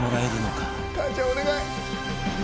かあちゃんお願い！